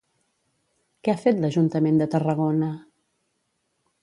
Què ha fet l'Ajuntament de Tarragona?